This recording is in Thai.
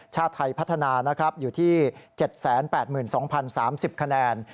ชาติไทยพัฒนานะครับอยู่ที่๗๘๒๐๓๐คะแนน